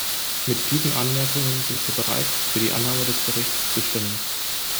Mit diesen Anmerkungen sind wir bereit, für die Annahme des Berichts zu stimmen.